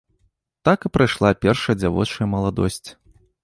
Так і прайшла першая дзявочая маладосць.